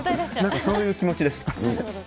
そういう気持ちです。